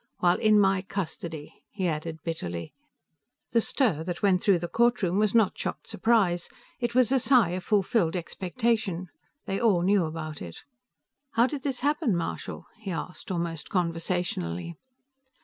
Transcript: While in my custody," he added bitterly. The stir that went through the courtroom was not shocked surprise, it was a sigh of fulfilled expectation. They all knew about it. "How did this happen, Marshal?" he asked, almost conversationally.